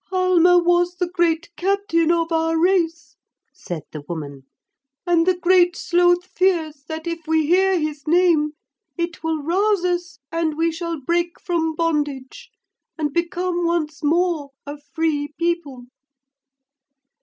'Halma was the great captain of our race,' said the woman, 'and the Great Sloth fears that if we hear his name it will rouse us and we shall break from bondage and become once more a free people.'